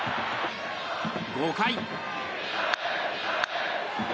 ５回。